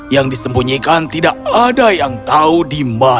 yang disembunyikan tidak ada yang tahu di mana